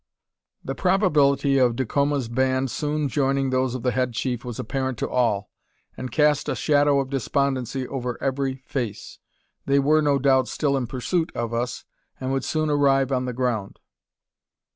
The probability of Dacoma's band soon joining those of the head chief was apparent to all, and cast a shadow of despondency over every face. They were, no doubt, still in pursuit of us, and would soon arrive on the ground.